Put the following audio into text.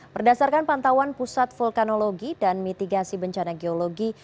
berdasarkan pantauan pusat vulkanologi dan mitigasi bencana geologi